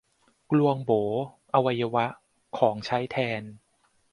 กลวงโบ๋ อวัยวะ ของใช้แทน